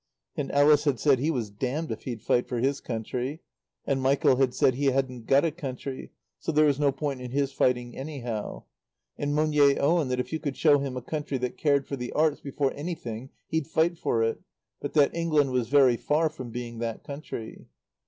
And Ellis had said he was damned if he'd fight for his country; and Mitchell had said he hadn't got a country, so there was no point in his fighting, anyhow; and Monier Owen that if you could show him a country that cared for the arts before anything he'd fight for it; but that England was very far from being that country.